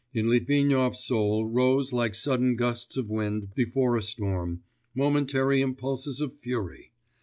In Litvinov's soul rose, like sudden gusts of wind before a storm, momentary impulses of fury....